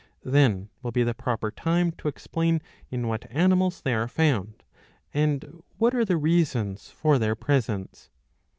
® Then will be the proper time to explain in what animals they are found, and what are the reasons for their presence.